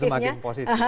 semoga semakin positif